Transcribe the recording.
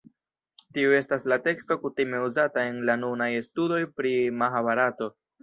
Tiu estas la teksto kutime uzata en la nunaj studoj pri Mahabarato.